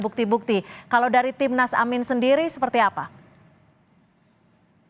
bukti bukti apa saja yang akan disiapkan